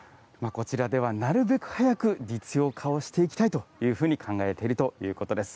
こちらではなるべく早く実用化をしていきたいというふうに考えているということです。